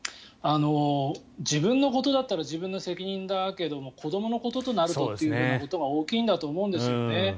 自分のことだったら自分の責任だけども子どものこととなるとということが大きいんだと思うんですよね。